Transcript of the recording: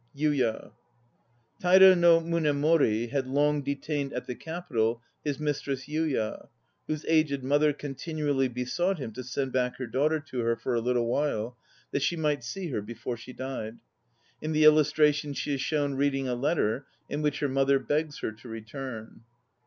YUYA TAJRA NO MUNEMORI had long detained at the Capital his mistress Yuya, whose aged mother continually besought him to send back her daughter to her for a little while, that she might see her before she died. In the illustration she is shown reading a letter in which her mother begs her to return.